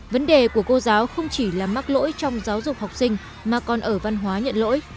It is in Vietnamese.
vấn đề của cô giáo không chỉ là mắc lỗi trong giáo dục học sinh mà còn ở văn hóa nhận lỗi